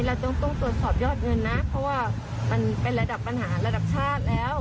เราต้องตรวจสอบยอดเงินนะเพราะว่ามันเป็นระดับปัญหาระดับชาติแล้ว